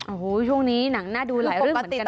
โอ้โฮช่วงนี้หนังน่าดูหลายเรื่องเหมือนกันนะ